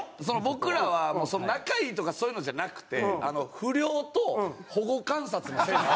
僕らは仲いいとかそういうのじゃなくて不良と保護観察の先生。